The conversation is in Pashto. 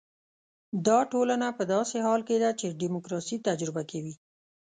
دا ټولنه په داسې حال کې ده چې ډیموکراسي تجربه کوي.